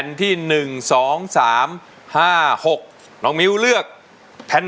ใช้เลยค่ะ